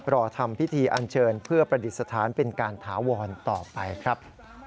รอทำพิธีอันเชิญเพื่อประดิษฐานเป็นการถาวรต่อไปครับ